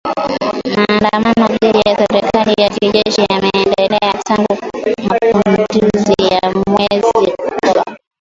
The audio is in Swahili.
Maandamano dhidi ya serikali ya kijeshi yameendelea tangu mapinduzi ya mwezi Oktoba.